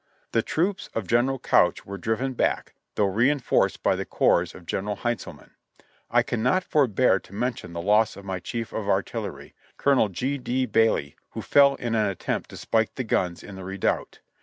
The troops of General Couch w^ere driven back, though reinforced by the corps of General Heintzelman. I cannot forbear to mention the loss of my Chief of Artillery, Colonel G. D. Bailey, who fell in an attempt to spike the guns in the redoubt.